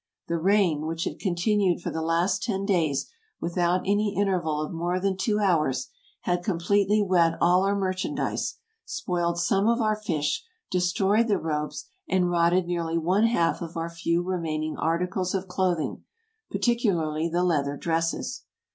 The rain, which had continued for the last ten days without any interval of more than two hours, had com pletely wet all our merchandise, spoiled some of our fish, destroyed the robes, and rotted nearly one half of our few remaining articles of clothing, particularly the leather dresses.